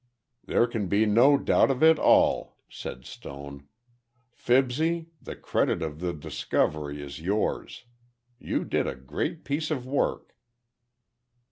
"There can be no doubt of it all," said Stone. "Fibsy, the credit of the discovery is yours. You did a great piece of work."